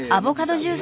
ジュース！？